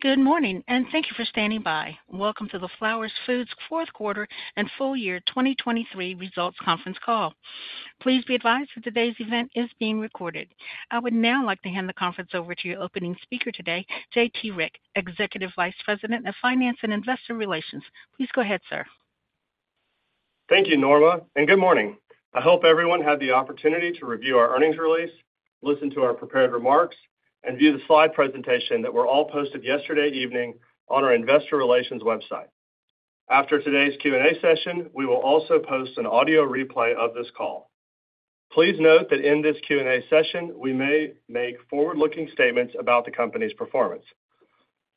Good morning, and thank you for standing by. Welcome to the Flowers Foods' fourth quarter and full year 2023 results conference call. Please be advised that today's event is being recorded. I would now like to hand the conference over to your opening speaker today, J.T. Rieck, Executive Vice President of Finance and Investor Relations. Please go ahead, sir. Thank you, Norma, and good morning. I hope everyone had the opportunity to review our earnings release, listen to our prepared remarks, and view the slide presentation that were all posted yesterday evening on our Investor Relations website. After today's Q&A session, we will also post an audio replay of this call. Please note that in this Q&A session, we may make forward-looking statements about the company's performance.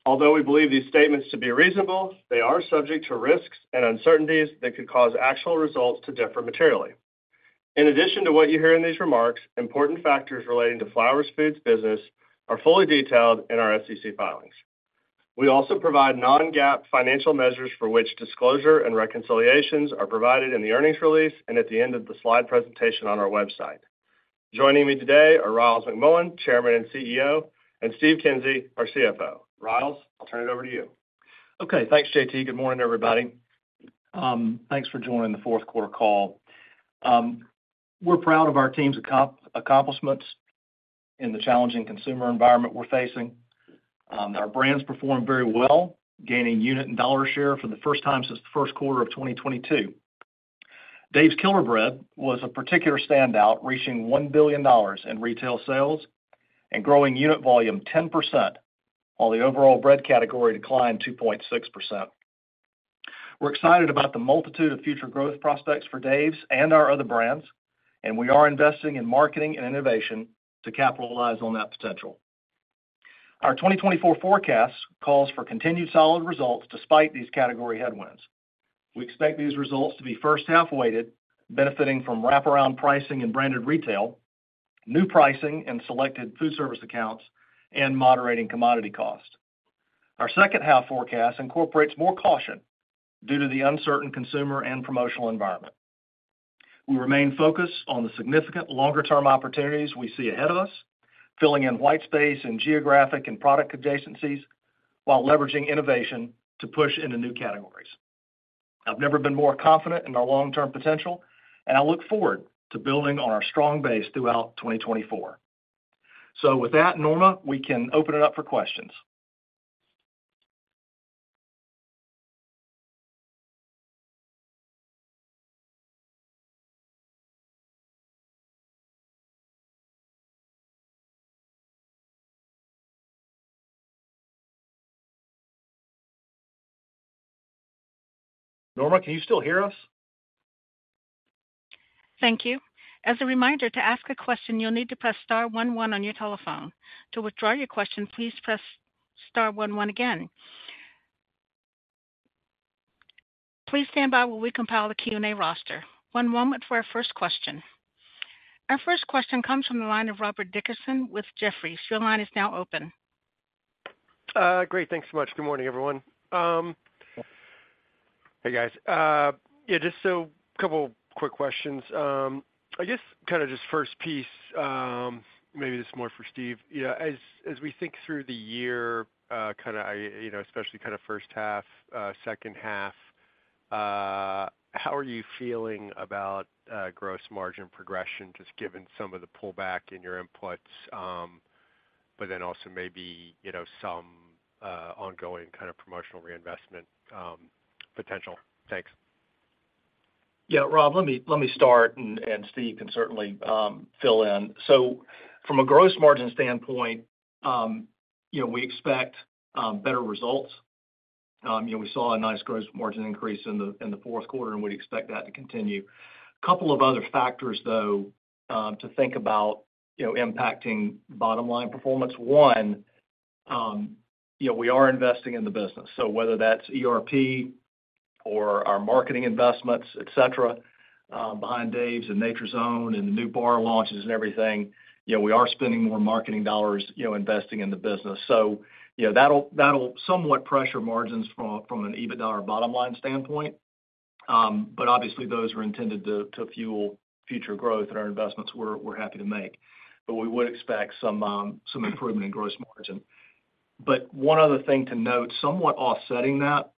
Although we believe these statements to be reasonable, they are subject to risks and uncertainties that could cause actual results to differ materially. In addition to what you hear in these remarks, important factors relating to Flowers Foods' business are fully detailed in our SEC filings. We also provide non-GAAP financial measures for which disclosure and reconciliations are provided in the earnings release and at the end of the slide presentation on our website. Joining me today are Ryals McMullian, Chairman and CEO, and Steve Kinsey, our CFO. Ryals, I'll turn it over to you. Okay, thanks, J.T. Good morning, everybody. Thanks for joining the fourth quarter call. We're proud of our team's accomplishments in the challenging consumer environment we're facing. Our brands performed very well, gaining unit and dollar share for the first time since the first quarter of 2022. Dave's Killer Bread was a particular standout, reaching $1 billion in retail sales and growing unit volume 10%, while the overall bread category declined 2.6%. We're excited about the multitude of future growth prospects for Dave's and our other brands, and we are investing in marketing and innovation to capitalize on that potential. Our 2024 forecast calls for continued solid results despite these category headwinds. We expect these results to be first-half weighted, benefiting from wraparound pricing and branded retail, new pricing and selected food service accounts, and moderating commodity cost. Our second-half forecast incorporates more caution due to the uncertain consumer and promotional environment. We remain focused on the significant longer-term opportunities we see ahead of us, filling in white space in geographic and product adjacencies, while leveraging innovation to push into new categories. I've never been more confident in our long-term potential, and I look forward to building on our strong base throughout 2024. With that, Norma, we can open it up for questions. Norma, can you still hear us? Thank you. As a reminder, to ask a question, you'll need to press star one one on your telephone. To withdraw your question, please press star one one again. Please stand by while we compile the Q&A roster. One moment for our first question. Our first question comes from the line of Robert Dickerson with Jefferies. Your line is now open. Great. Thanks so much. Good morning, everyone. Hey, guys. Yeah, just a couple of quick questions. I guess kind of just first piece, maybe this is more for Steve. As we think through the year, kind of especially kind of first half, second half, how are you feeling about gross margin progression, just given some of the pullback in your inputs, but then also maybe some ongoing kind of promotional reinvestment potential? Thanks. Yeah, Rob, let me start, and Steve can certainly fill in. So from a gross margin standpoint, we expect better results. We saw a nice gross margin increase in the fourth quarter, and we'd expect that to continue. A couple of other factors, though, to think about impacting bottom-line performance. One, we are investing in the business. So whether that's ERP or our marketing investments, etc., behind Dave's and Nature's Own and the new bar launches and everything, we are spending more marketing dollars investing in the business. So that'll somewhat pressure margins from an EBITDA or bottom-line standpoint. But obviously, those are intended to fuel future growth, and our investments we're happy to make. But we would expect some improvement in gross margin. But one other thing to note, somewhat offsetting that,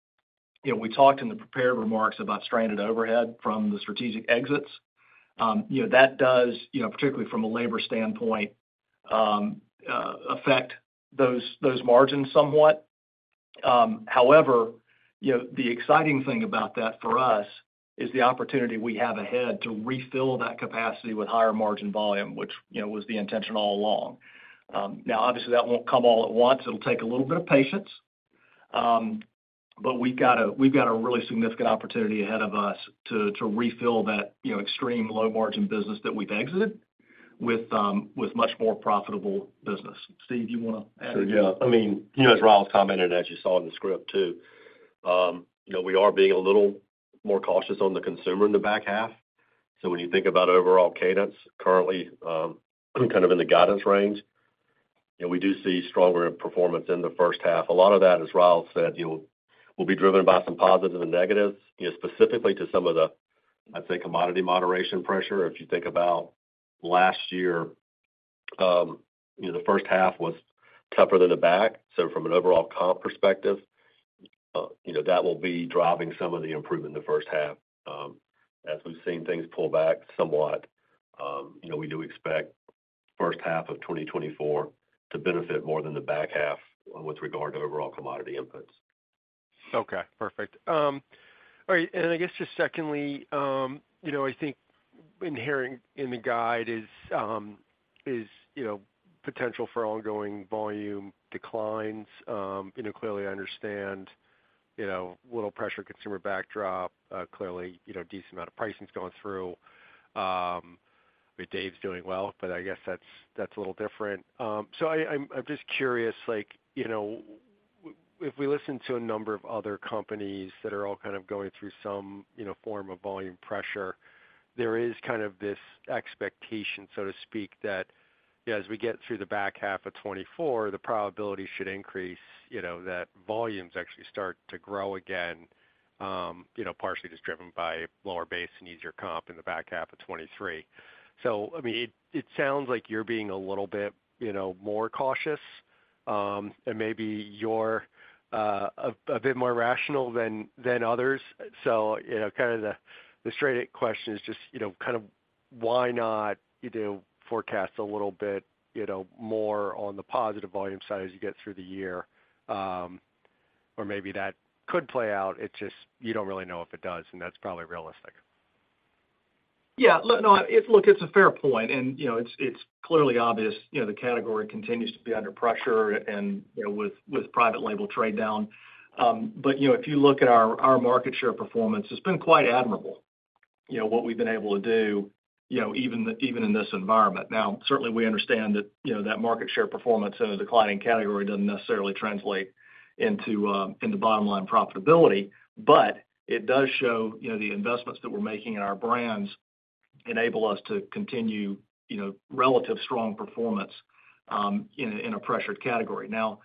we talked in the prepared remarks about stranded overhead from the strategic exits. That does, particularly from a labor standpoint, affect those margins somewhat. However, the exciting thing about that for us is the opportunity we have ahead to refill that capacity with higher margin volume, which was the intention all along. Now, obviously, that won't come all at once. It'll take a little bit of patience. But we've got a really significant opportunity ahead of us to refill that extreme low-margin business that we've exited with much more profitable business. Steve, you want to add anything? Sure. Yeah. I mean, as Ryals commented, as you saw in the script too, we are being a little more cautious on the consumer in the back half. So when you think about overall cadence, currently kind of in the guidance range, we do see stronger performance in the first half. A lot of that, as Ryals said, will be driven by some positives and negatives, specifically to some of the, I'd say, commodity moderation pressure. If you think about last year, the first half was tougher than the back. So from an overall comp perspective, that will be driving some of the improvement in the first half. As we've seen things pull back somewhat, we do expect first half of 2024 to benefit more than the back half with regard to overall commodity inputs. Okay. Perfect. All right. And I guess just secondly, I think inherent in the guide is potential for ongoing volume declines. Clearly, I understand little pressure consumer backdrop. Clearly, decent amount of pricing's gone through. I mean, Dave's doing well, but I guess that's a little different. So I'm just curious, if we listen to a number of other companies that are all kind of going through some form of volume pressure, there is kind of this expectation, so to speak, that as we get through the back half of 2024, the probability should increase that volumes actually start to grow again, partially just driven by lower base and easier comp in the back half of 2023. So I mean, it sounds like you're being a little bit more cautious, and maybe you're a bit more rational than others. So kind of the straight-up question is just kind of why not forecast a little bit more on the positive volume side as you get through the year? Or maybe that could play out. It's just you don't really know if it does, and that's probably realistic. Yeah. Look, it's a fair point. And it's clearly obvious the category continues to be under pressure and with private label trade down. But if you look at our market share performance, it's been quite admirable, what we've been able to do, even in this environment. Now, certainly, we understand that market share performance in a declining category doesn't necessarily translate into bottom-line profitability, but it does show the investments that we're making in our brands enable us to continue relative strong performance in a pressured category. Now,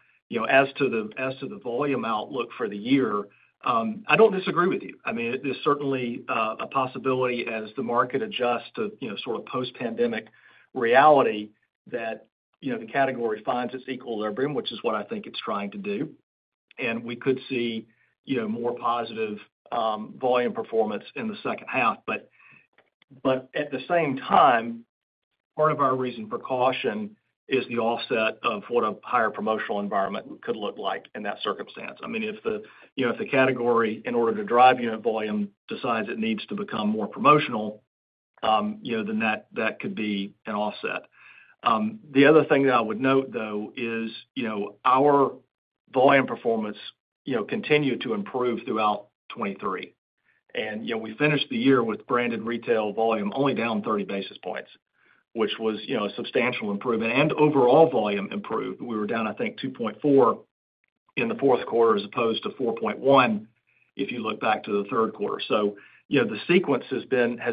as to the volume outlook for the year, I don't disagree with you. I mean, there's certainly a possibility as the market adjusts to sort of post-pandemic reality that the category finds its equilibrium, which is what I think it's trying to do. And we could see more positive volume performance in the second half. But at the same time, part of our reason for caution is the offset of what a higher promotional environment could look like in that circumstance. I mean, if the category, in order to drive unit volume, decides it needs to become more promotional, then that could be an offset. The other thing that I would note, though, is our volume performance continued to improve throughout 2023. And we finished the year with branded retail volume only down 30 basis points, which was a substantial improvement. And overall volume improved. We were down, I think, 2.4 in the fourth quarter as opposed to 4.1 if you look back to the third quarter. So the sequence has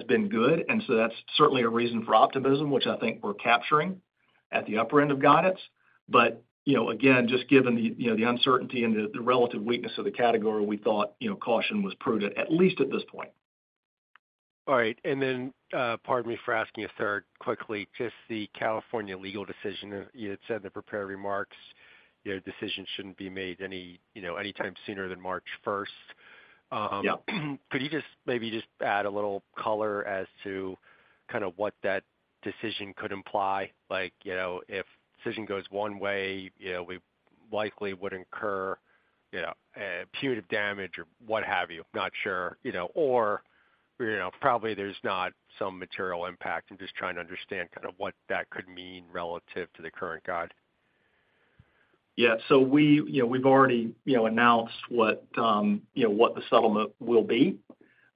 been good. And so that's certainly a reason for optimism, which I think we're capturing at the upper end of guidance. But again, just given the uncertainty and the relative weakness of the category, we thought caution was prudent, at least at this point. All right. And then pardon me for asking a third quickly, just the California legal decision. You had said in the prepared remarks, your decision shouldn't be made anytime sooner than March 1st. Could you just maybe just add a little color as to kind of what that decision could imply? If the decision goes one way, we likely would incur punitive damage or what have you. Not sure. Or probably there's not some material impact. I'm just trying to understand kind of what that could mean relative to the current guide. Yeah. So we've already announced what the settlement will be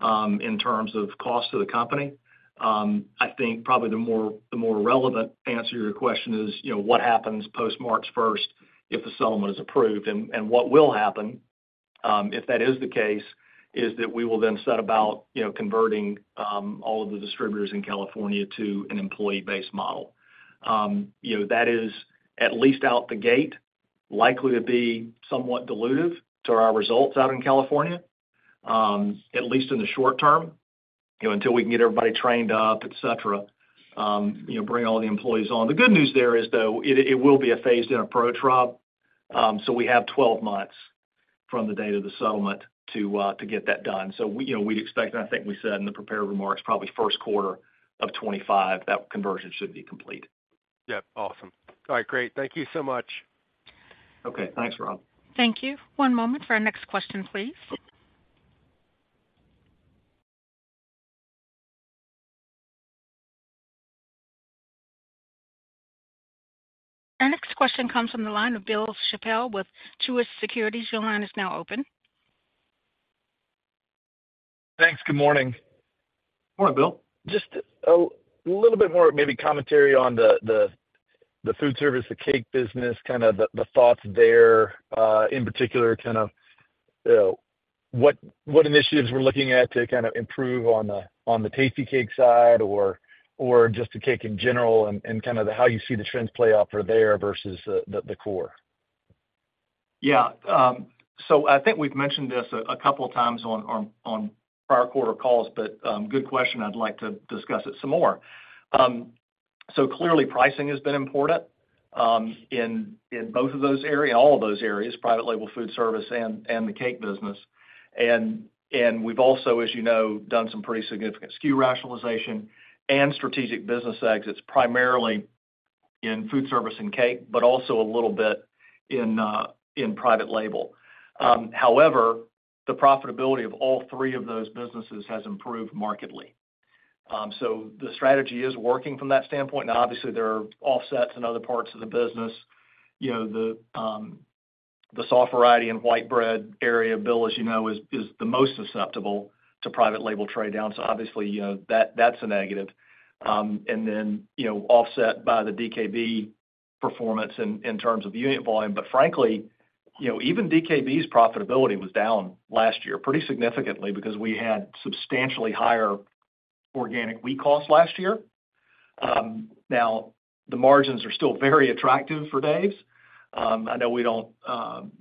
in terms of cost to the company. I think probably the more relevant answer to your question is what happens post March 1st if the settlement is approved? And what will happen if that is the case is that we will then set about converting all of the distributors in California to an employee-based model. That is at least out the gate, likely to be somewhat dilutive to our results out in California, at least in the short term, until we can get everybody trained up, etc., bring all the employees on. The good news there is, though, it will be a phased-in approach, Rob. So we have 12 months from the date of the settlement to get that done. So we'd expect, and I think we said in the prepared remarks, probably first quarter of 2025, that conversion should be complete. Yep. Awesome. All right. Great. Thank you so much. Okay. Thanks, Rob. Thank you. One moment for our next question, please. Our next question comes from the line of Bill Chappell with Truist Securities. Your line is now open. Thanks. Good morning. Good morning, Bill. Just a little bit more maybe commentary on the food service, the cake business, kind of the thoughts there in particular, kind of what initiatives we're looking at to kind of improve on the Tastykake side or just the cake in general and kind of how you see the trends play out for there versus the core? Yeah. So I think we've mentioned this a couple of times on prior quarter calls, but good question. I'd like to discuss it some more. So clearly, pricing has been important in both of those areas, all of those areas, private label food service and the cake business. And we've also, as you know, done some pretty significant SKU rationalization and strategic business exits primarily in food service and cake, but also a little bit in private label. However, the profitability of all three of those businesses has improved markedly. So the strategy is working from that standpoint. Now, obviously, there are offsets in other parts of the business. The soft variety and white bread area, Bill, as you know, is the most susceptible to private label trade down. So obviously, that's a negative. And then offset by the DKB performance in terms of unit volume. Frankly, even DKB's profitability was down last year pretty significantly because we had substantially higher organic wheat costs last year. Now, the margins are still very attractive for Dave's. I know we don't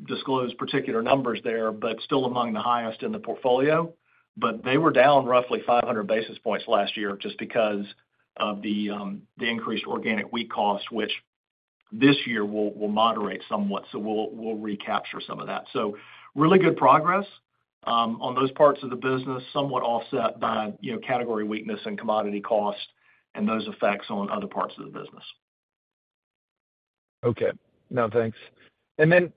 disclose particular numbers there, but still among the highest in the portfolio. But they were down roughly 500 basis points last year just because of the increased organic wheat costs, which this year will moderate somewhat. We'll recapture some of that. Really good progress on those parts of the business, somewhat offset by category weakness and commodity cost and those effects on other parts of the business. Okay. No, thanks. And then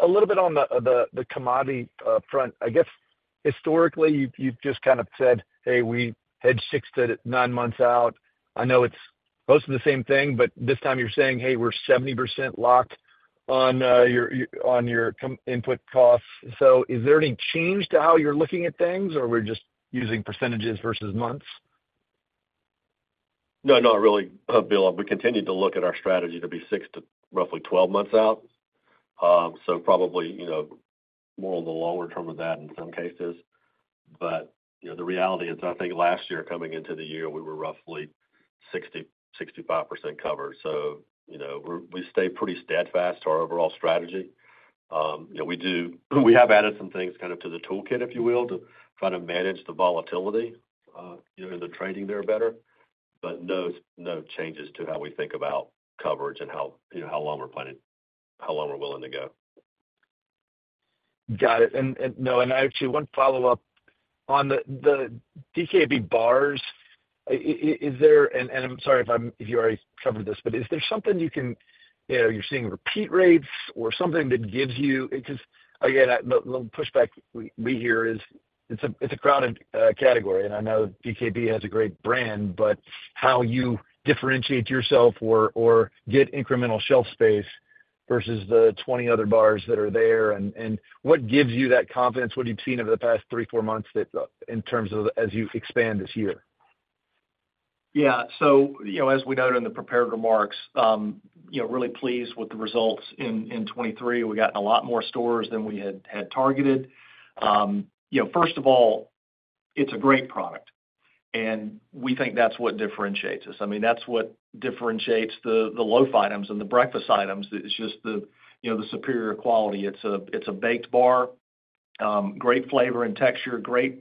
a little bit on the commodity front, I guess historically, you've just kind of said, "Hey, we hedge 6-9 months out." I know it's most of the same thing, but this time you're saying, "Hey, we're 70% locked on your input costs." So is there any change to how you're looking at things, or we're just using percentages versus months? No, not really, Bill. We continue to look at our strategy to be 6 to roughly 12 months out. So probably more on the longer term of that in some cases. But the reality is, I think last year coming into the year, we were roughly 60%-65% covered. So we stay pretty steadfast to our overall strategy. We have added some things kind of to the toolkit, if you will, to try to manage the volatility and the trading there better. But no changes to how we think about coverage and how long we're planning, how long we're willing to go. Got it. And no, and actually, one follow-up. On the DKB bars, is there, and I'm sorry if you already covered this, but is there something you can, you're seeing repeat rates or something that gives you, because again, a little pushback we hear is it's a crowded category. And I know DKB has a great brand, but how you differentiate yourself or get incremental shelf space versus the 20 other bars that are there, and what gives you that confidence? What have you seen over the past 3, 4 months in terms of as you expand this year? Yeah. So as we noted in the prepared remarks, really pleased with the results in 2023. We gotten a lot more stores than we had targeted. First of all, it's a great product. And we think that's what differentiates us. I mean, that's what differentiates the loaf items and the breakfast items. It's just the superior quality. It's a baked bar, great flavor and texture, great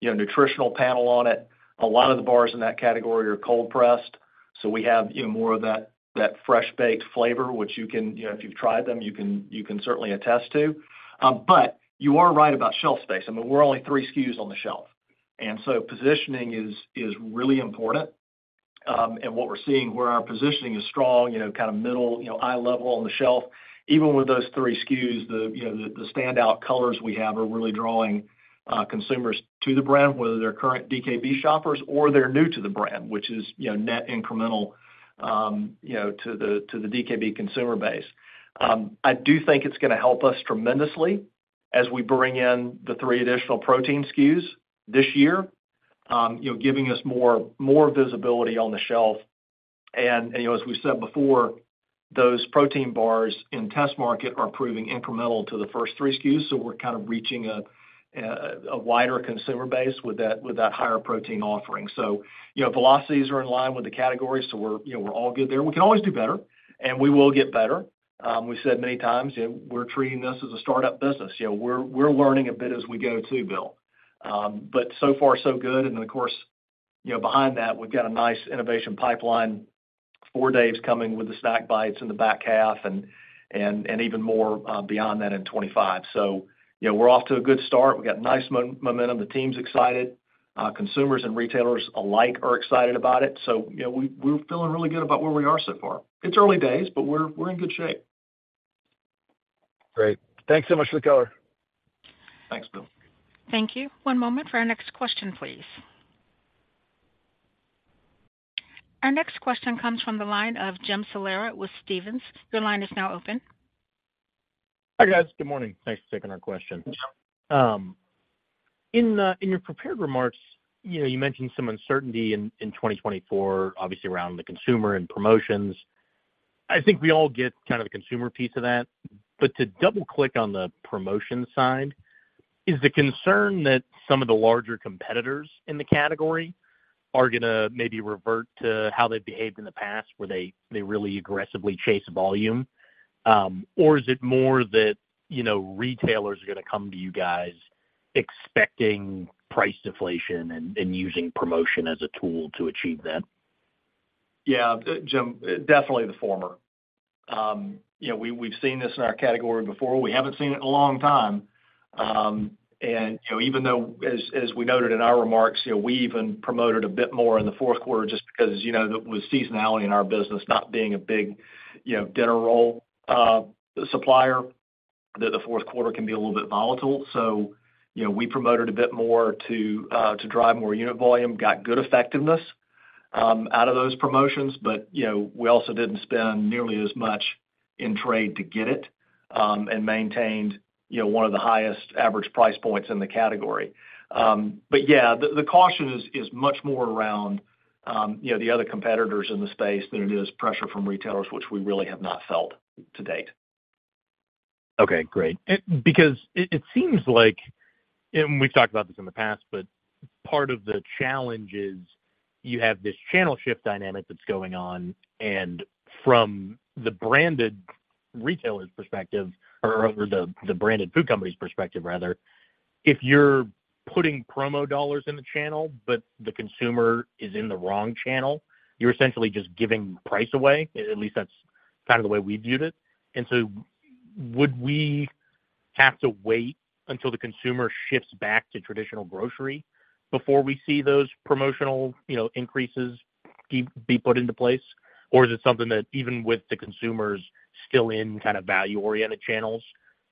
nutritional panel on it. A lot of the bars in that category are cold-pressed. So we have more of that fresh-baked flavor, which you can if you've tried them, you can certainly attest to. But you are right about shelf space. I mean, we're only 3 SKUs on the shelf. And so positioning is really important. And what we're seeing, where our positioning is strong, kind of middle, eye level on the shelf, even with those 3 SKUs, the standout colors we have are really drawing consumers to the brand, whether they're current DKB shoppers or they're new to the brand, which is net incremental to the DKB consumer base. I do think it's going to help us tremendously as we bring in the 3 additional protein SKUs this year, giving us more visibility on the shelf. And as we said before, those protein bars in test market are proving incremental to the first 3 SKUs. So we're kind of reaching a wider consumer base with that higher protein offering. So velocities are in line with the category. So we're all good there. We can always do better, and we will get better. We said many times, we're treating this as a startup business. We're learning a bit as we go too, Bill. But so far, so good. And then, of course, behind that, we've got a nice innovation pipeline for Dave's coming with the snack bites in the back half and even more beyond that in 2025. So we're off to a good start. We got nice momentum. The team's excited. Consumers and retailers alike are excited about it. So we're feeling really good about where we are so far. It's early days, but we're in good shape. Great. Thanks so much for the color. Thanks, Bill. Thank you. One moment for our next question, please. Our next question comes from the line of Jim Salera with Stephens. Your line is now open. Hi, guys. Good morning. Thanks for taking our question. In your prepared remarks, you mentioned some uncertainty in 2024, obviously around the consumer and promotions. I think we all get kind of the consumer piece of that. But to double-click on the promotion side, is the concern that some of the larger competitors in the category are going to maybe revert to how they've behaved in the past where they really aggressively chase volume? Or is it more that retailers are going to come to you guys expecting price deflation and using promotion as a tool to achieve that? Yeah, Jim, definitely the former. We've seen this in our category before. We haven't seen it in a long time. And even though, as we noted in our remarks, we even promoted a bit more in the fourth quarter just because it was seasonality in our business, not being a big dinner roll supplier, that the fourth quarter can be a little bit volatile. So we promoted a bit more to drive more unit volume, got good effectiveness out of those promotions. But we also didn't spend nearly as much in trade to get it and maintained one of the highest average price points in the category. But yeah, the caution is much more around the other competitors in the space than it is pressure from retailers, which we really have not felt to date. Okay. Great. Because it seems like and we've talked about this in the past, but part of the challenge is you have this channel shift dynamic that's going on. And from the branded retailers' perspective or the branded food companies' perspective, rather, if you're putting promo dollars in the channel, but the consumer is in the wrong channel, you're essentially just giving price away. At least that's kind of the way we viewed it. And so would we have to wait until the consumer shifts back to traditional grocery before we see those promotional increases be put into place? Or is it something that even with the consumers still in kind of value-oriented channels,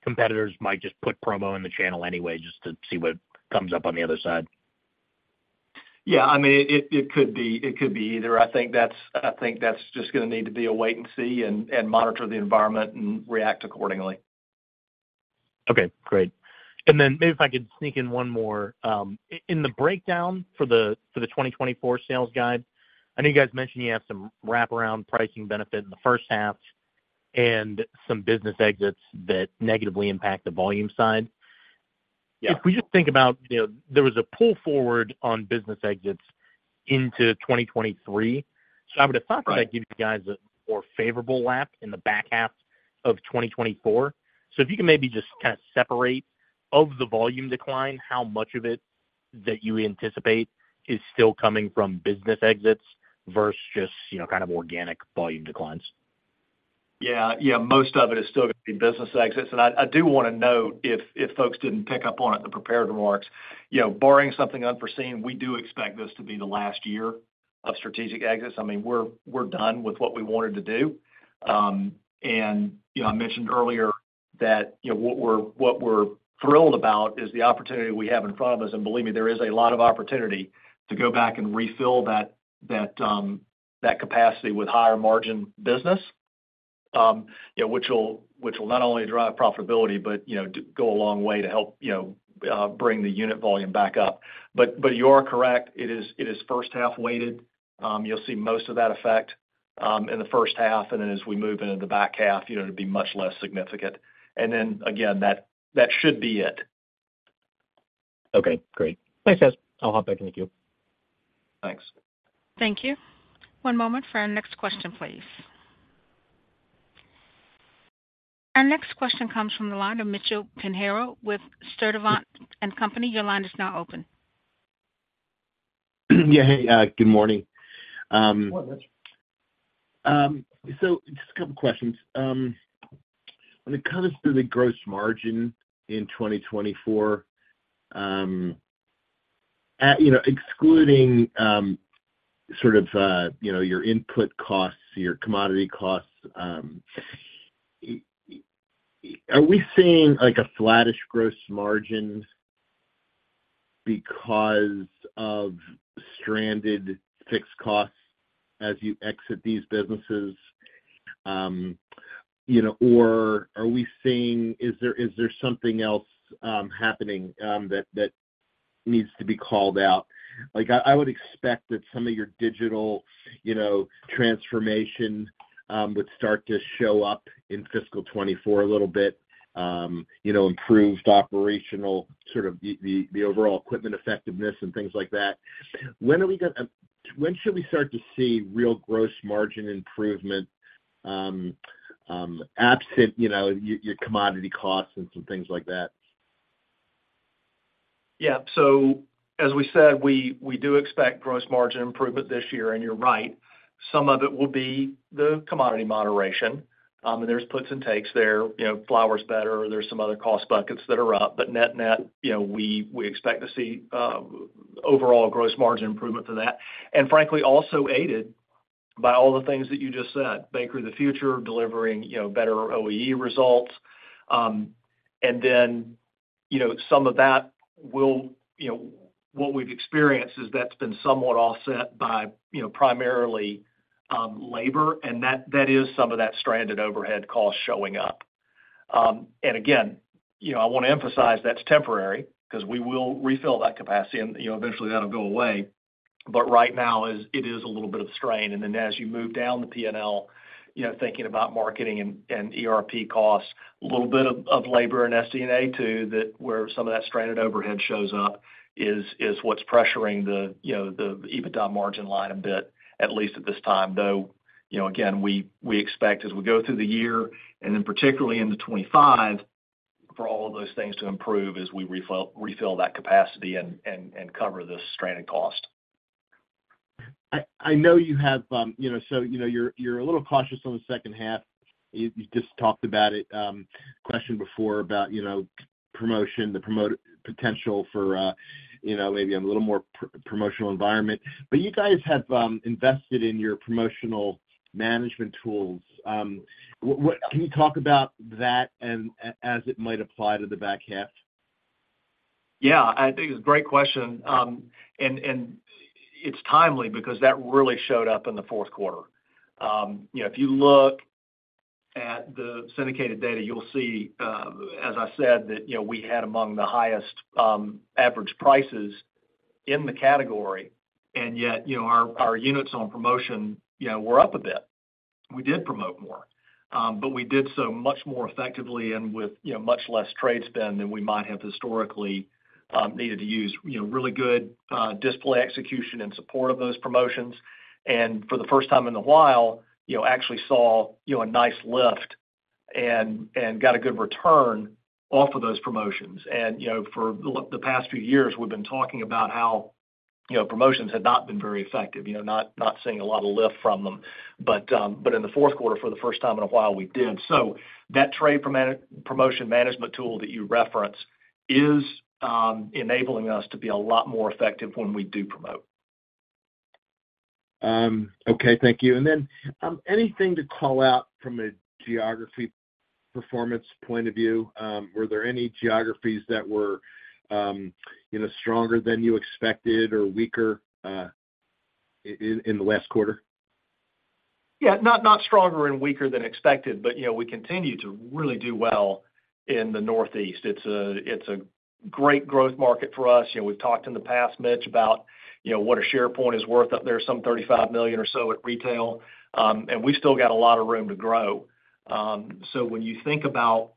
competitors might just put promo in the channel anyway just to see what comes up on the other side? Yeah. I mean, it could be. It could be either. I think that's just going to need to be a wait and see and monitor the environment and react accordingly. Okay. Great. And then maybe if I could sneak in one more. In the breakdown for the 2024 sales guide, I know you guys mentioned you have some wrap-around pricing benefit in the first half and some business exits that negatively impact the volume side. If we just think about there was a pull forward on business exits into 2023. So I would have thought that that gives you guys a more favorable lap in the back half of 2024. So if you can maybe just kind of separate of the volume decline, how much of it that you anticipate is still coming from business exits versus just kind of organic volume declines? Yeah. Yeah. Most of it is still going to be business exits. And I do want to note, if folks didn't pick up on it, the prepared remarks, barring something unforeseen, we do expect this to be the last year of strategic exits. I mean, we're done with what we wanted to do. And I mentioned earlier that what we're thrilled about is the opportunity we have in front of us. And believe me, there is a lot of opportunity to go back and refill that capacity with higher-margin business, which will not only drive profitability, but go a long way to help bring the unit volume back up. But you are correct. It is first-half weighted. You'll see most of that effect in the first half. And then as we move into the back half, it'll be much less significant. And then again, that should be it. Okay. Great. Thanks, guys. I'll hop back in the queue. Thanks. Thank you. One moment for our next question, please. Our next question comes from the line of Mitchell Pinheiro with Sturdivant and Company. Your line is now open. Yeah. Hey, good morning. So just a couple of questions. When it comes to the gross margin in 2024, excluding sort of your input costs, your commodity costs, are we seeing a flattish gross margin because of stranded fixed costs as you exit these businesses? Or is there something else happening that needs to be called out? I would expect that some of your digital transformation would start to show up in fiscal 2024 a little bit, improved operational sort of the overall equipment effectiveness and things like that. When should we start to see real gross margin improvement absent your commodity costs and some things like that? Yeah. So as we said, we do expect gross margin improvement this year. And you're right. Some of it will be the commodity moderation. And there's puts and takes there. Flour's better. There's some other cost buckets that are up. But net-net, we expect to see overall gross margin improvement for that. And frankly, also aided by all the things that you just said, Bakery of the Future delivering better OEE results. And then some of that will what we've experienced is that's been somewhat offset by primarily labor. And that is some of that stranded overhead cost showing up. And again, I want to emphasize that's temporary because we will refill that capacity. And eventually, that'll go away. But right now, it is a little bit of strain. And then as you move down the P&L, thinking about marketing and ERP costs, a little bit of labor and SD&A too where some of that stranded overhead shows up is what's pressuring the EBITDA margin line a bit, at least at this time. Though again, we expect as we go through the year and then particularly into 2025 for all of those things to improve as we refill that capacity and cover this stranded cost. I know you have so you're a little cautious on the second half. You just talked about it. Question before about promotion, the potential for maybe a little more promotional environment. But you guys have invested in your promotional management tools. Can you talk about that as it might apply to the back half? Yeah. I think it's a great question. And it's timely because that really showed up in the fourth quarter. If you look at the syndicated data, you'll see, as I said, that we had among the highest average prices in the category. And yet, our units on promotion were up a bit. We did promote more. But we did so much more effectively and with much less trade spend than we might have historically needed to use really good display execution in support of those promotions. And for the first time in a while, actually saw a nice lift and got a good return off of those promotions. And for the past few years, we've been talking about how promotions had not been very effective, not seeing a lot of lift from them. But in the fourth quarter, for the first time in a while, we did. So that trade promotion management tool that you reference is enabling us to be a lot more effective when we do promote. Okay. Thank you. And then anything to call out from a geography performance point of view? Were there any geographies that were stronger than you expected or weaker in the last quarter? Yeah. Not stronger and weaker than expected. But we continue to really do well in the Northeast. It's a great growth market for us. We've talked in the past, Mitch, about what a share point is worth up there, some $35 million or so at retail. And we still got a lot of room to grow. So when you think about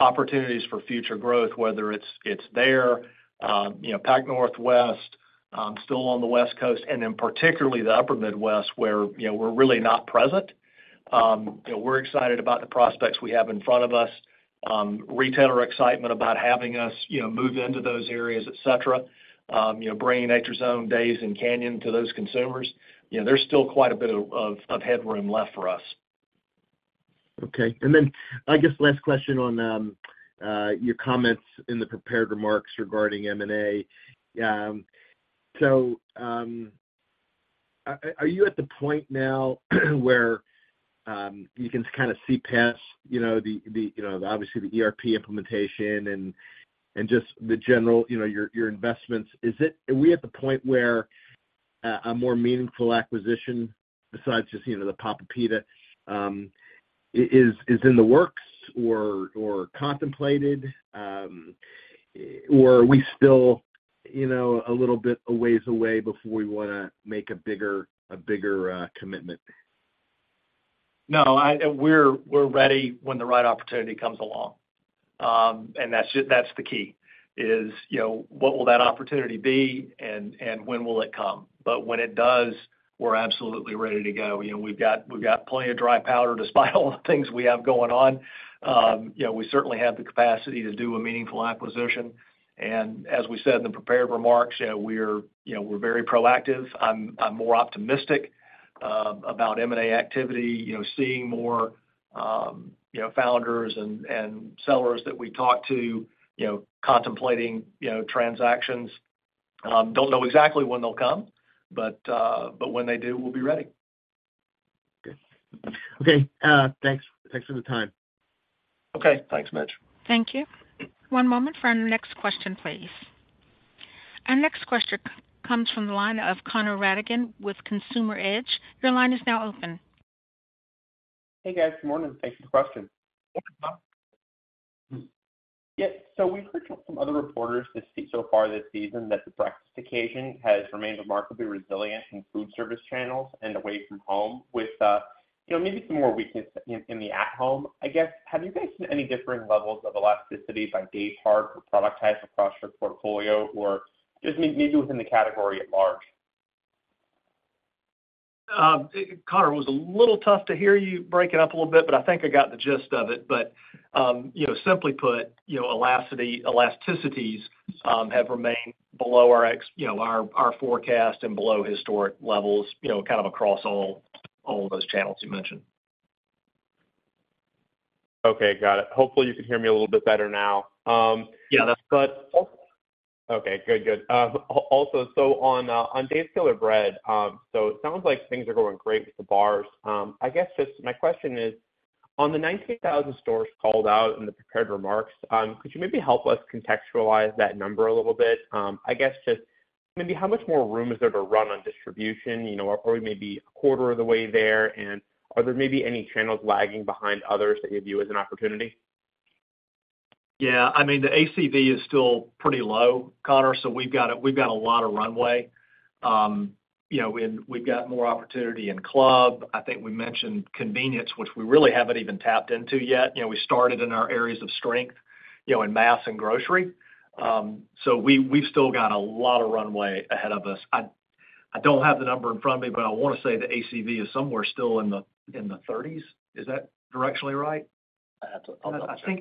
opportunities for future growth, whether it's there, Pacific Northwest, still on the West Coast, and then particularly the Upper Midwest where we're really not present, we're excited about the prospects we have in front of us, retailer excitement about having us move into those areas, etc., bringing Nature's Own, Dave's, and Canyon to those consumers. There's still quite a bit of headroom left for us. Okay. And then I guess last question on your comments in the prepared remarks regarding M&A. So are you at the point now where you can kind of see past, obviously, the ERP implementation and just the general your investments? Are we at the point where a more meaningful acquisition besides just the Papa Pita is in the works or contemplated? Or are we still a little bit a ways away before we want to make a bigger commitment? No. We're ready when the right opportunity comes along. That's the key, is what will that opportunity be and when will it come? When it does, we're absolutely ready to go. We've got plenty of dry powder despite all the things we have going on. We certainly have the capacity to do a meaningful acquisition. As we said in the prepared remarks, we're very proactive. I'm more optimistic about M&A activity, seeing more founders and sellers that we talk to contemplating transactions. Don't know exactly when they'll come, but when they do, we'll be ready. Okay. Thanks for the time. Okay. Thanks, Mitch. Thank you. One moment for our next question, please. Our next question comes from the line of Connor Radigan with Consumer Edge. Your line is now open. Hey, guys. Good morning. Thanks for the question. Yeah. So we've heard from other reporters so far this season that the purchase occasion has remained remarkably resilient in food service channels and away from home with maybe some more weakness in the at-home. I guess, have you guys seen any differing levels of elasticity by day part or product type across your portfolio or just maybe within the category at large? Connor, it was a little tough to hear you break it up a little bit, but I think I got the gist of it. But simply put, elasticities have remained below our forecast and below historic levels kind of across all those channels you mentioned. Okay. Got it. Hopefully, you can hear me a little bit better now. Yeah. That's fine. Okay. Good, good. Also, so on Dave's Killer Bread, so it sounds like things are going great with the bars. I guess just my question is, on the 19,000 stores called out in the prepared remarks, could you maybe help us contextualize that number a little bit? I guess just maybe how much more room is there to run on distribution? Are we maybe a quarter of the way there? And are there maybe any channels lagging behind others that you view as an opportunity? Yeah. I mean, the ACV is still pretty low, Connor. So we've got a lot of runway. We've got more opportunity in club. I think we mentioned convenience, which we really haven't even tapped into yet. We started in our areas of strength in mass and grocery. So we've still got a lot of runway ahead of us. I don't have the number in front of me, but I want to say the ACV is somewhere still in the 30s. Is that directionally right?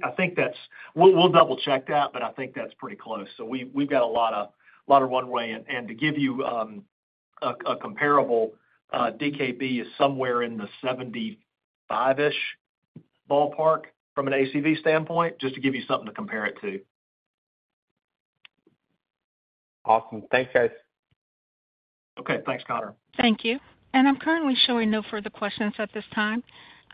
I think that's. We'll double-check that, but I think that's pretty close. So we've got a lot of runway. And to give you a comparable, DKB is somewhere in the 75-ish ballpark from an ACV standpoint, just to give you something to compare it to. Awesome. Thanks, guys. Okay. Thanks, Connor. Thank you. I'm currently showing no further questions at this time.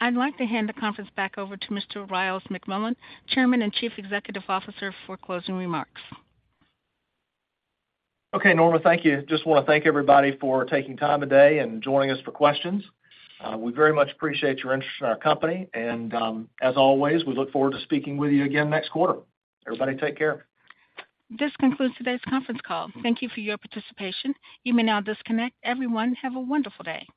I'd like to hand the conference back over to Mr. Ryals McMullian, Chairman and Chief Executive Officer for closing remarks. Okay, Norma. Thank you. Just want to thank everybody for taking time today and joining us for questions. We very much appreciate your interest in our company. As always, we look forward to speaking with you again next quarter. Everybody, take care. This concludes today's conference call. Thank you for your participation. You may now disconnect. Everyone, have a wonderful day.